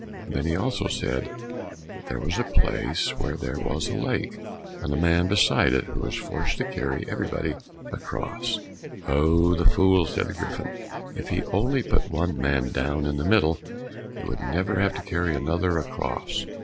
"And then he also said that there was a place where there was a lake and a man beside it who was forced to carry everybody across." "Oh, the fool!" said the Griffin; "if he only put one man down in the middle, he would never have to carry another across."